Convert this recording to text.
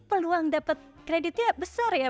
peluang dapat kreditnya besar ya